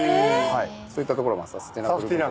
そういったところサステナブル軍手。